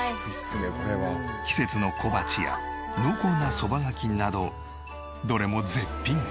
季節の小鉢や濃厚なそばがきなどどれも絶品。